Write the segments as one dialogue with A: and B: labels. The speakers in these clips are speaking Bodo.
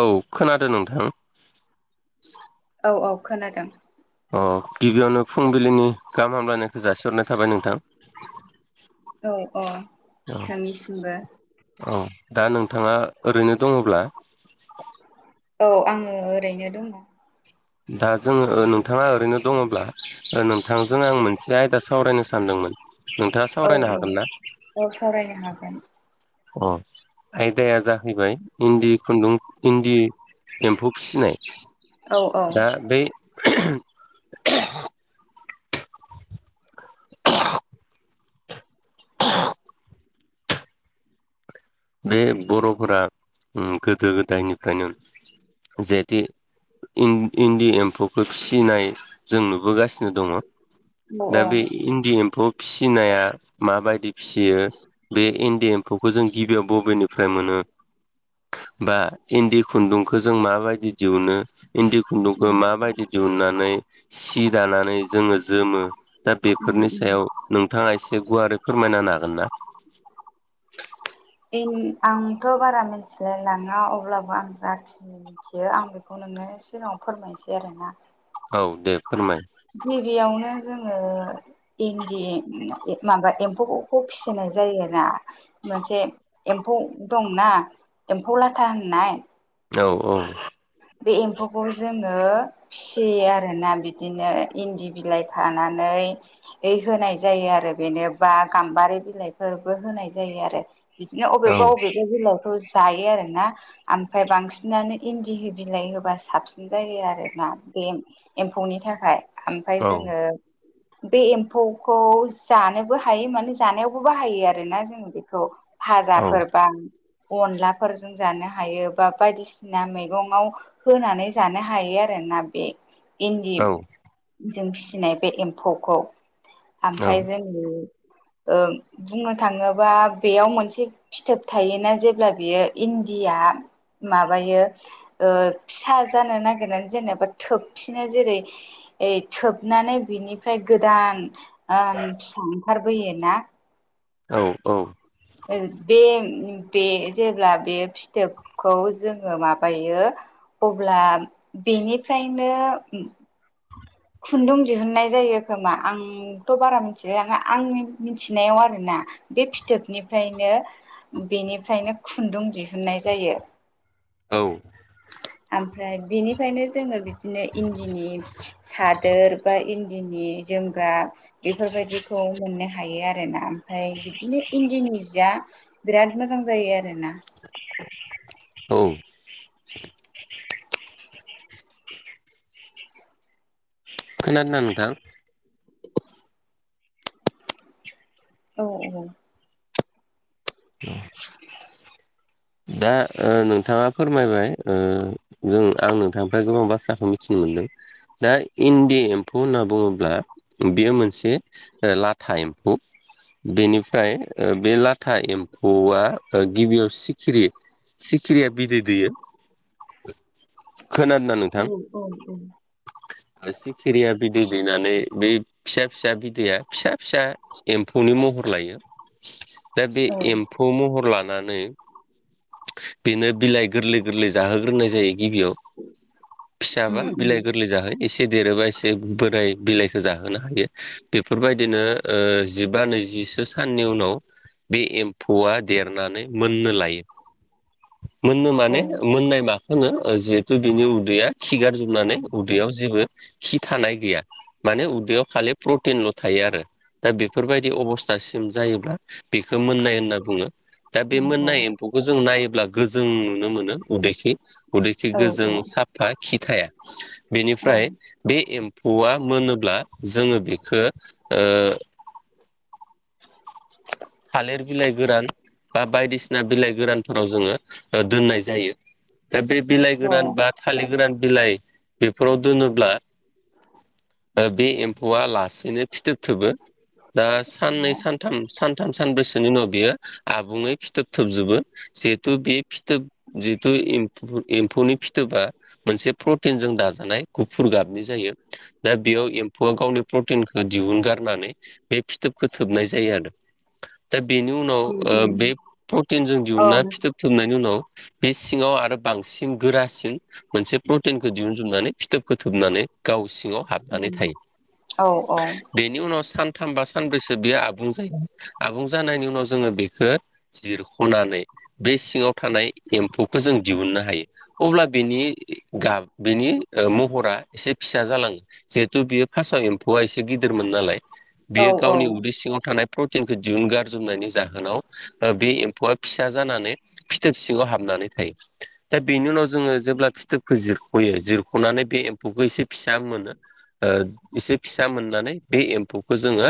A: औ खोनादों नोंथां।
B: औ औ खोनादों।
A: अ गिबियावनो फुंबिलिनि गाहाम हामलायनायखौ जासिहरनाय थाबाय नोंथां।
B: औ औ
A: औ
B: नोंनिसिमबो।
A: औ दा नोंथाङा ओरैनो दङब्ला।
B: औ आङो ओरैनो दङ।
A: दा जोङो नोंथाङा ओरैनो दङब्ला नोंथांजों आं मोनसे आयदा सावरायनो सानदोंमोन नोंथाङा
B: औ
A: सावरायनो
B: औ
A: हागोन ना?
B: औ सावरायनो हागोन।
A: अ आयदाया जाहैबाय इन्दि खुन्दुं इन्दि एम्फौ फिसिनाय
B: औ औ
A: दा बै [inaudible] बे बर'फोरा उम गोदो गोदायनिफ्रायनो जहेते इन-इन्दि एम्फौखौ फिसिनाय जों नुबोगासिनो दङ
B: औ
A: दा
B: औ
A: बे इन्दि एम्फौ फिसिनाया माबायदि फिसियो बे इन्दि एम्फौखौ जों गिबियाव बबेनिफ्राय मोनो। बा इन्दि खुन्दुंखौ जों माबायदि दिहुनो इन्दि खुन्दुंखौ माबायदि दिहुननानै सि दानानै जोङो जोमो। दा बेफोरनि सायाव नोंथाङा एसे गुवारै फोरमायना हागोन ना।
B: आं आंथ' बारा मिथिलायलाङा अब्लाबो आं जाखिनि मिथियो आं बेखौ नोंनो सिगाङाव फोरमायनोसै आरोना।
A: औ दे फोरमाय।
B: गिबियावनो जोङो इन्दि माबा एम्फौखौ फिसिनाय जायोना। मोनसे एम्फौ दंना एम्फौ लाथा होननाय।
A: औ औ
B: बे एम्फौखौ जोङो फिसियो आरोना बिदिनो इन्दि बिलाइ खानानै यै होनाय जायो आरो बेनो बा गाम्बारि बिलाइफोरबो होनाय जायो आरो बिदिनो
A: औ
B: अबेबा अबेबा बिलाइखौ जायो आरो ना आमफाय बांसिनानो इन्दि बिहो बिलाइ होबा साबसिन जायो आरोना बे एम्फौनि थाखाय। ओमफाय
A: औ
B: जोङो बे एम्फौखौ जानोबो हायो माने जानायावबो बाहायो आरोना जों बेखौ
A: औ
B: फाजाफोर बा अनलाफोरजों जानो हायो बा बायदिसिना मै मैगङाव होनानै जानो हायो आरोना बे इन्दि
A: औ
B: जों फिसिनाय बे एम्फौखौ आमफाय जोङो ओ बुंनो थाङोबा बेयाव मोनसे फिथोब थायोना जेब्ला बियो इन्दिया माबायो ओ फिसा जानो नागिरनानै जेनेबा थोबफिनो जेरै ओय थोबनानै बिनिफ्राय गोदान फिसा ओंखारबोयोना
A: औ औ
B: बे बे जेब्ला बे फिथोबखौ जोङो माबायो अब्ला बेनिफ्रायनो खुन्दुं दिहुननाय जायो खोमा आं थ' बारा मिथिलायलाङा आंनि मिथिनायाव आरोना बे फिथोबनिफ्रायनो बेनिफ्रायनो खुन्दुं दिहुन्नाय जायो।
A: औ
B: ओमफ्राय बिनिफ्रायनो जोङो बिदिनो इन्दिनि सादोर बा इन्दिनि जोमग्रा बेफोरबायदिखौ मोननो हायो आरोना ओमफ्राय बिदिनो इन्दिनि जिया बिराद मोजां जायो आरोना
A: औ
B: [inaudible]
A: खोनादोंना नोंथां।
B: औ औ
A: औ
B: [unintelligible]
A: दा नोंथाङा फोरमायबाय जों आं नोंथांनिफ्राय गोबां बाथ्राखौ मिथिनो मोनदों दा इन्दि एम्फौ होनना बुङोब्ला बेयो मोनसे लाथा एम्फौ बेनिफ्राय बे लाथा एम्फौआ गिबियाव सिखिरि सिखिरिया बिदै दैयो खोनादोंना
B: औ
A: नोंथां
B: औ
A: सिखिरिया बिदै दैनानै बै फिसा फिसा बिदैया फिसा फिसा एम्फौनि महर लायो
B: [inaudible]
A: दा बे एम्फौ महर लानानै बेनो बिलाइ गोरलै गोरलै जाहोग्रोनाय जायो गिबियाव फिसाबा
B: उम उम
A: बिलाइ गोरलै जाहो एसे देरोबा एसे बोराय बिलाइखौ जाहो नो हायो बेफोरबायदिनो जिबा नैजिसो साननि उनाव बे एम्फौआ देरनानै मोननो लायो मोननो
B: औ
A: माने मोननाय मा होनो जिहेथु बिनि उदैया खिगारजोबनानै उदैयाव जेबो खि थानाय गैया माने उदैयाव खालि प्रटिनल' थायो आरो दा बेफोरबायदि अबस्थासिम जायोब्ला बेखौ मोननाय होनना बुङो दा बे मोननाय एम्फौखौ जों नायोब्ला गोजों नुनो मोनो उदैखि उदैखि
B: औ
A: गोजों
B: औ
A: साफा खि थाया
B: औ
A: बेनिफ्राय बे एम्फौआ मोनोब्ला जोङो बेखौ
B: [unintelligible]
A: थालिर बिलाइ गोरान बा बायदिसिना बिलाइ गोरानफोराव जोङो दोननाय जायो दा बे बिलाइ
B: औ
A: गोरान बा थालिर गोरान बिलाइ बेफोराव दोनोब्ला बे एम्फौआ लासैनो फिथोब थोबो दा
B: अ
A: साननै सानथाम सान थाम सानब्रैसोनि उनाव बियो आबुङै फिथोब थोबजोबो जिहेथु बे फिथोब जिहेथु एम्फौ एम्फौनि फिथोबा मोनसे प्रटिनजों दाजानाय गुफुर गाबनि जायो दा बेयाव एम्फौआ गावनि प्रटिनखौ दिहुनगारनानै बे फिथोबखो थोबनाय जायो आरो दा बेनि उनाव
B: उम
A: ओ
B: उम
A: बे प्रटिनजों
B: औ
A: दिहुनना
B: उम
A: फिथोब थोबनायनि उनाव बे सिङाव आरो बांसिन गोरासिन मोनसे प्रटिनखौ दिहुनजोबनानै फिथोबखौ थोबनानै गाव सिङाव हाबनानै थायो
B: औ औ
A: बे बिनि उनाव सानथाम बा सानब्रैसो बेयो आबुं जायो आबुं जानायनि उनाव जोङो बेखो जिरखनानै बे सिङाव थानाय एम्फौखो जों दिहुननो हायो अब्ला बिनि गाब बिनि ओ महरा एसे फिसा जालाङो जिहेथु बियो फासाव एम्फौआ एसे गिदिरमोन नालाय बियो
B: औ औ
A: गावनि उदै सिङाव थानाय प्रटिनखौ दिहुनगारजोबनायनि जाहोनाव ओ बे एम्फौआ फिसा जानानै फिथोब सिङाव हाबनानै थायो दा बेनि उनाव जोङो जेब्ला फिथोबखौ जिरखयो जिरखनानै बे एम्फौखो एसे फिसा मोनो ओ एसे फिसा मोननानै बे एम एम्फौखो जोङो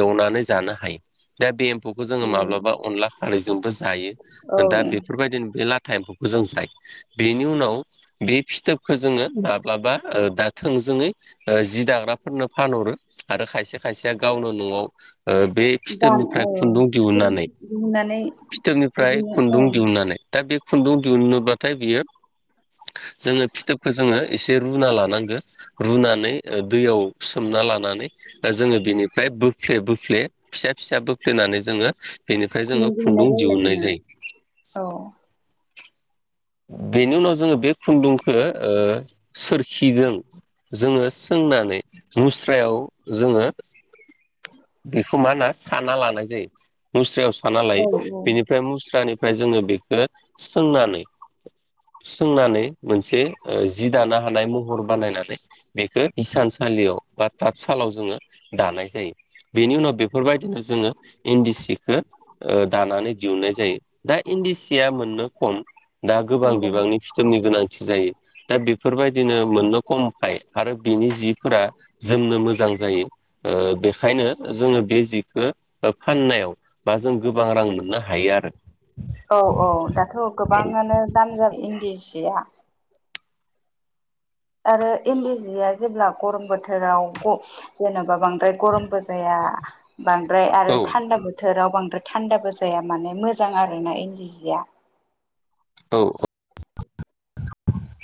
A: एवनानै जानो हायो दा बे एम्फौखो जोङो
B: नंगौ
A: माब्लाबा अनला खारैजोंबो जायो
B: औ
A: दा बेफोरबायदिनो बे लाथा एम्फौ मोजां जायो बेनि उनाव बे फिथोबखो जोङो माब्लाबा ओ दा थोंजोङै ओ जि दाग्राफोरनो फानहरो आरो खायसे खायसेया गावनो न'आव ओ बे
B: दान
A: फिथोबनिफ्राय
B: औ
A: खुन्दुं
B: फिथोब
A: दिहुननानै,
B: दिहुननानै
A: फिथोबनिफ्राय
B: बिदिनो
A: खुन्दुं
B: ओं
A: दिहुननानै दा बे खुन्दुं दिहुन्नोबाथाय बियो जोङो फिथोबखौ जोङो एसे रुना लानांगो, रुनानै ओ दैयाव सोमना लानानै दा जोङो बिनिफ्राय बोफ्ले बोफ्ले फिसा फिसा बोफ्लेनानै जोङो बेनिफ्राय जोङो
B: दिहुननाय
A: खुन्दुं
B: जायो
A: दिहुन्नाय
B: आरोना
A: जायो।
B: औ।
A: बेनि उनाव जोङो बे खुन्दुंखो ओ सोरखिदों जोङो सोंनानै मुस्रायाव जोङो बेखौ मा होन्ना साना लानाय जायो। मुस्रायाव साना
B: औ
A: लायो,
B: औ
A: बेनिफ्राय मुस्रानिफ्राय जोङो बेखो सोंनानै सोंनानै मोनसे ओ जि दानो हानाय महर बानायनानै बेखौ इसानसालियाव बा तातसालाव जोङो दानाय जायो। बेनि उनाव बे फोरबायदिनो जोङो इन्दि सिखो ओ दानानै दिहुननाय जायो। दा इन्दि सिया मोननो खम दा गोबां
B: नंगौ
A: बिबांनि फिथोबनि गोनांथि जायो। दा बेफोरबायदिनो मोननो खमखाय आरो बिनि जिफोरा जोमनो मोजां जायो ओ बेखायनो जोङो बे जिखो ओ फाननायाव बा जों गोबा रां मोननो हायो आरो।
B: औ औ, दाथ'
A: औ
B: गोबाङानो दाम जाबि इन्दि जिआ। आरो इन्दि जिआ जेब्ला गरम बोथोराव ग-जेनोबा बांद्राय गरमबो जाया बांद्राय आरो
A: औ
B: थान्दा बो थोराव बांद्राय थान्दाबो जाया माने मोजां आरोना इन्दि जिआ।
A: औ ओ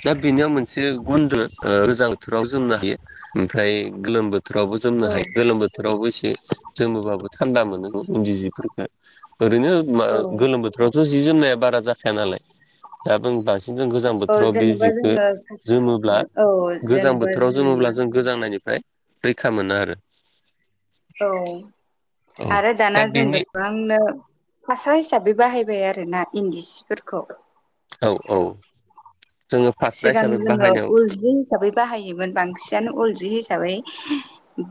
A: दा बेनियाव मोनसे गुन दो, ओ गोजा बोथोराव जोमनो हायो ओमफ्राय गोलोम बो थोरावबो जोमनो हायो
B: औ
A: गोलोम बो थोरावबो एसे जोमोबाबो थान्दा मोनो न' इन्दि जिफोरखो ओरैनो बा
B: औ
A: गोलोम बोथोरावथ' जि जोमनाया बारा जाखाया नालाय दाबो दासिम जों गोजां
B: औ
A: बोथोराव बे
B: जेनेबा
A: जिखो
B: जोङो
A: जोमोब्ला
B: औ
A: गोजां
B: जेनेबा
A: बोथोराव जोमोब्ला
B: जोङो
A: जों गोजांनायनिफ्राय रैखा मोनो आरो।
B: औ,
A: औ
B: आरो
A: दा
B: दाना जों
A: बेनि
B: गोबां नो फास्रा हिसाबै बाहायबाय आरोना इन्दि सिफोरखौ।
A: औ औ। जोङो फास्रा
B: सिगां
A: हिसाबै
B: जोङो
A: बाहायनायाव
B: उल जि हिसाबै बाहायोमोन बांसिनानो उल जि हिसाबै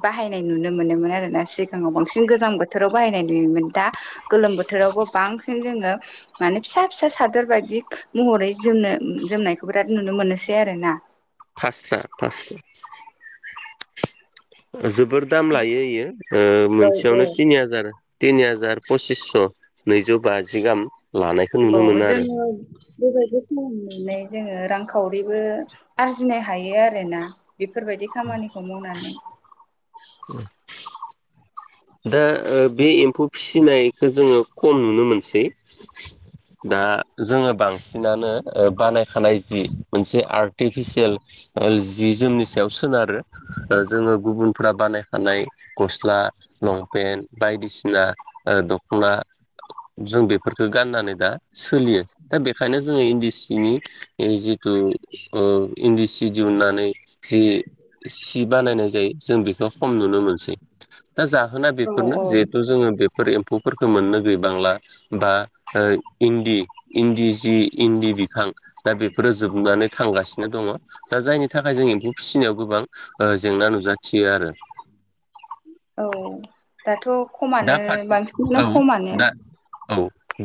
B: बाहायनाय नुनो मोनोमोन आरोना सिगाङाव बांसिन गोजां बोथोराव बाहायनाय नुयोमोन दा गोलोम बोथोरावबो बांसिन जोङो माने फिसा फिसा सादोर बायदि महरै जोमनो जोमनायखौ बिराद नुनो मोननोसै आरो ना।
A: फास्रा फास, जोबोर दाम लायो इयो ओ
B: औ
A: मोनसेयावनो
B: औ
A: तिनि हाजार तिनि हाजार पचिस स' नैजौ बाजि गाहाम लानायखो
B: औ
A: नुनो मोनो आरो।
B: जोङो बेबायदि खालामनानै जोङो रांखावरिबो आरजिनो हायो आरोना बिफोरबायदि खामानिखौ मावनानै।
A: [unintelligible] दा ओ बे एम्फौ फिसिनायखो जोङो खम नुनो मोनसै।
B: [inaudible]
A: दा जोङो बांसिनानो ओ बानायखानाय जि मोनसे आर्टिफिसियेल ओ जि जोमनि सायाव सोनारो। ओ जोङो गुबुनफ्रा बानायखानाय गस्ला लंपेन्ट बायदिसिना ओ दख'ना जों बेफोरखो गाननानै दा सोलियो दा बेखायनो जोङो इन्दि सिनि ऐ जिथु उह इन्दि सि दिहुननानै जि सि बानायनाय जायो जों बिखौ खम नुनो मोनसै। दा जाहोना
B: औ
A: बेफोरनो
B: औ
A: जेहेथु जोङो बेफोर एम्फौफोरखो मोननो गैयबांला। बा उह इन्दि इन्दि जि इन्दि बिफां। दा बेफोरो जोबनानै थांगासिन। नो दङ दा जायनि थाखाय जों एम्फौ फिसिनायाव गोबां उह जेंना नुजाथियो आरो।
B: औ दाथ'
A: दा
B: खमानो
A: फारसेथिं
B: बांसिन नानो
A: औ
B: खमानो।
A: दा औ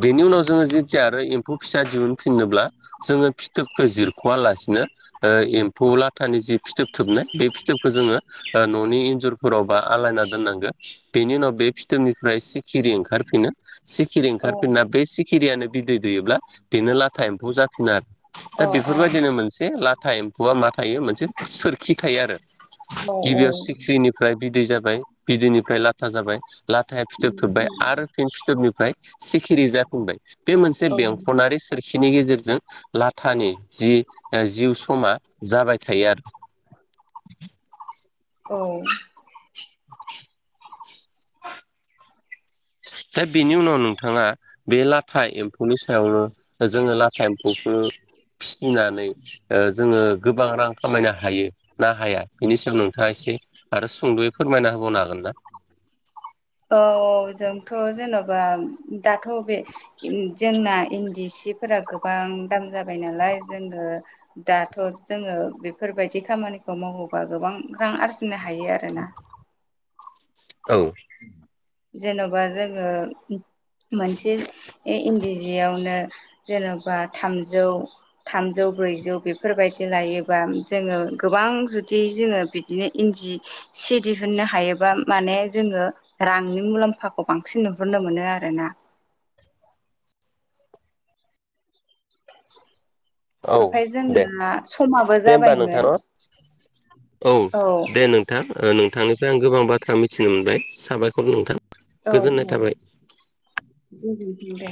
A: बेनि उनाव जोङो जेथिया आरो एम्फौ फिसा दिहुनफिननोब्ला जोङो फिथोबखो जिरख'वालासिनो उह एम फौ लाथानि जि फिथोब थोबनाय बे फिथोबखो जोङो उह न'नि इन्जुरफोरावबा आलायना दोननांगो बेनि उनाव बे फिथोबनिफ्राय सि खिरि ओंखारफिनो सिखिरि
B: औ
A: ओंखारफिनना बे सि खिरियानो बिदै दैयोब्ला बेनो लाथा एम्फौ जाफिन आरो। दा
B: अ अ
A: बेफोरबायदिनो मोनसे लाथा एम्फौआ मा थायो मोनसे सोर खि थायो आरो
B: औ औ
A: गिबियाव सिख्रिनिफ्राय बिदै जाबाय बिदैनिफ्राय लाथा जाबाय। थाय फिथोब थोबबाय आरो फिन फिथोबनिफ्राय सिखिरि जाफिनबाय बे मोनसे बेंखनारि सोरखिनि गेजेरजों लाथानि जि उह जिउ समा जाबाय थायो आरो।
B: औ
A: दा बेनि उनाव नोंथाङा बे लाथा एम्फौनि सायावनो दा जोङो लाथा एम्फौखो फिसिनानै उह जोङो गोबां रां खामायनो हायो ना हाया बेनि सायाव नोंथाङा एसे आरो सुंद'यै फोरमायना होबावनो हागोन ना?
B: औ जोंथ' जेन'बा दाथ' बे उम जोंना इन्दि सिब फोरा गोबां दाम जाबाय नालाय जोङो दाथ' जोङो बेफोरबायदि खामानिखौ मावोबा गोबां रां आरजिनो हायो आरोना।
A: औ
B: जेन'बा जोङो मोनसे इन्दि जियावनो जेनबा थामजौ। थामजौ ब्रैजौ बेफोरबायदि लायोबा जोङो गोबां जुदि जोङो बि दि इन्दि सि दिहुननो हायोबा माने जोङो रांनि मुलाम्फाखौ बांसिन नुहुरोननो मोनो आरोना [unintelligible]
A: औ दे
B: जोंना समाबो
A: दे होमबा नोंथां
B: जाबायमोन
A: नाव औ दे नों नोंथां नोंथांनिफ्राय आं गोबां बाथ्रा मिथिनो मोनबाय साबायखर नोंथां
B: औ
A: गोजोननाय
B: औ
A: थाबाय।
B: दे